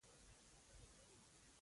هغه د راغلو خلکو څخه مننه وکړه.